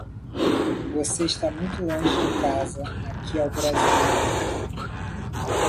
Você está muito longe de casa, aqui é o Brasil!